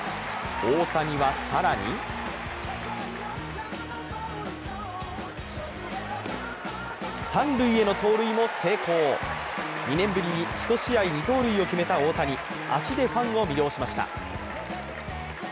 大谷は更に三塁への盗塁も成功、２年ぶりに１試合２盗塁を決めた大谷足でファンを魅了しました。